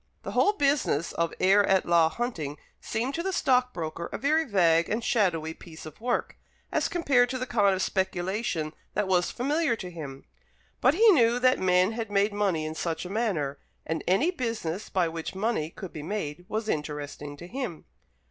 The whole business of heir at law hunting seemed to the stockbroker a very vague and shadowy piece of work, as compared to the kind of speculation that was familiar to him; but he knew that men had made money in such a manner, and any business by which money could be made, was interesting to him.